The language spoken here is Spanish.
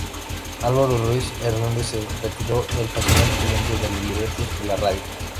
Álvaro Ruiz Hernández se retiró del fascinante mundo de los libretos y la radio.